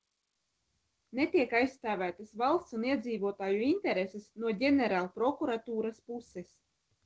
Netiek aizstāvētas valsts un iedzīvotāju intereses no Ģenerālprokuratūras puses.